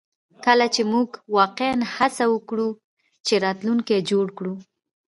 کله چې موږ واقعیا هڅه وکړو چې راتلونکی جوړ کړو